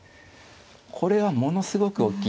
これはものすごくおっきい手。